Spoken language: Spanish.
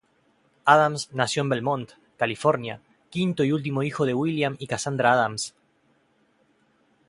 Adams nació en Belmont, California, quinto y último hijo de William y Cassandra Adams.